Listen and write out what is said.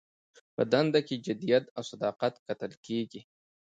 په دنده کې جدیت او صداقت کتل کیږي.